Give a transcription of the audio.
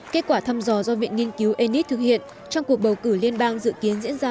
kết quả thăm dò do viện nghiên cứu enis thực hiện trong cuộc bầu cử liên bang dự kiến diễn ra